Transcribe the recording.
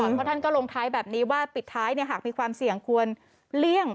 เพราะท่านก็ลงท้ายแบบนี้ว่าปิดท้ายหากมีความเสี่ยงควรเลี่ยง